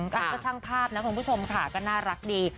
ก็ช่างภาพนะคุณผู้ชมค่ะก็น่ารักดี